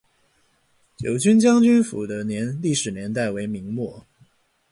九军将军府的历史年代为明末。